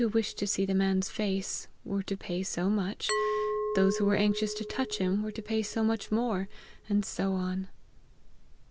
wished to see the man's face, were to p*\y so much , those who were anxious to touch him, were to pay so much more ; and so on.